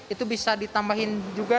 itu bisa ditambahin juga